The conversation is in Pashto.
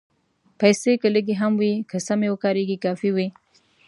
پېسې که لږې هم وي، که سمې وکارېږي، کافي وي.